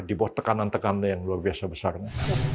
di bawah tekanan tekanan yang luar biasa besarnya